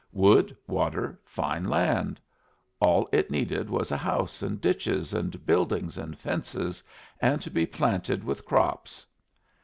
Wood, water, fine land. All it needed was a house and ditches and buildings and fences, and to be planted with crops.